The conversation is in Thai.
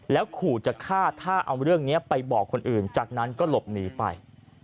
แล้วขู่จะฆ่าถ้าเอาเรื่องนี้ไปบอกคนอื่นจากนั้นก็หลบหนีไป